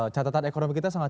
catatan ekonomi kita sangat